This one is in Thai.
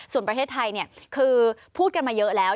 ส่วนประเทศไทยคือพูดกันมาเยอะแล้ว